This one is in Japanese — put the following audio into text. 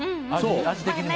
味的にも。